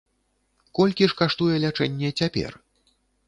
Колькі ж каштуе лячэнне цяпер?